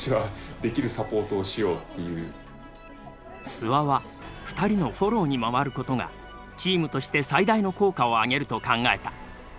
諏訪は２人のフォローに回ることがチームとして最大の効果を上げると考えた。